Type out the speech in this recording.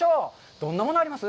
どんなものあります？